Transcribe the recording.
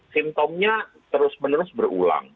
simptomnya terus menerus berulang